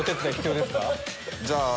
じゃあ。